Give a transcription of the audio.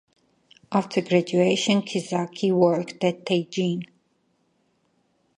After graduation Kizaki worked at Teijin.